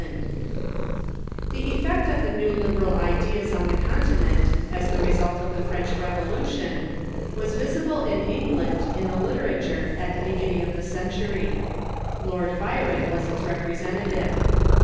] The effect of the new liberal ideas on the Continent, as the result of the French Revolution, was visible in England in the literature at the beginning of the century. Lord Byron was its representative.